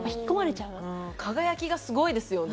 輝きがすごいですよね。